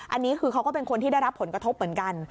อันนี้คือเขาก็เป็นคนที่ได้รับผลกระทบเหมือนกัน